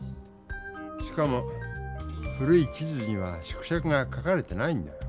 しかも古い地図には縮尺が書かれてないんだ。